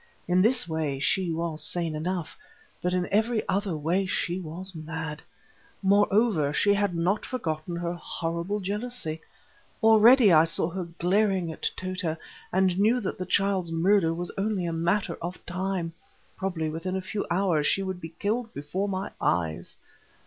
In this way she was sane enough, but in every other way she was mad. Moreover, she had not forgotten her horrible jealousy. Already I saw her glaring at Tota, and knew that the child's murder was only a matter of time. Probably within a few hours she would be killed before my eyes.